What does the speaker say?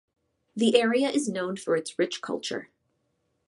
The area is known for its rich culture.